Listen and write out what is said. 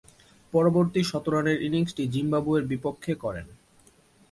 পরবর্তী শতরানের ইনিংসটি জিম্বাবুয়ের বিপক্ষে করেন।